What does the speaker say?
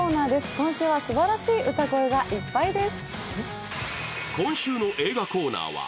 今週は、すばらしい歌声がいっぱいです。